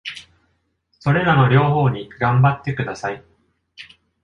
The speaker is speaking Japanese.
それらの両方に頑張ってください。